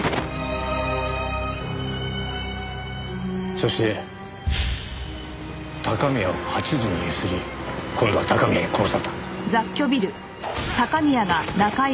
そして高宮を８時に強請り今度は高宮に殺された。